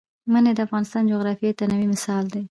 منی د افغانستان د جغرافیوي تنوع مثال دی.